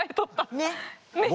ねっ。